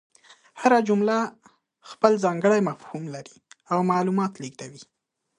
هره جمله خپل ځانګړی مفهوم لري او معلومات لېږدوي.